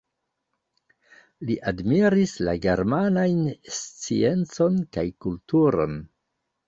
Li admiris la germanajn sciencon kaj kulturon.